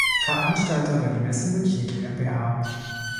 Veranstalter war die Messe München GmbH.